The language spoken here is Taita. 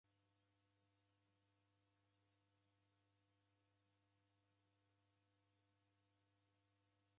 Mndu ukakaia na kilambo chape cha mana wachivisa musolow'enyi.